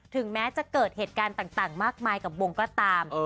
ถึงแม้จะเกิดเหตุการณ์ต่างมากมายกับวงก็ตาม